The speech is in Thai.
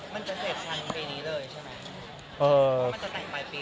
มันจะเสพทันปีเลยใช่ไหม